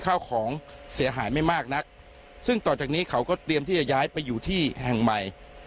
ข้าวของเสียหายไม่มากนักซึ่งต่อจากนี้เขาก็เตรียมที่จะย้ายไปอยู่ที่แห่งใหม่